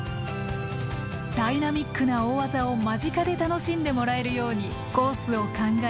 ダイナミックな大技を間近で楽しんでもらえるようにコースを考え